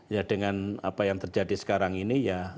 ya dengan apa yang terjadi sekarang ini ya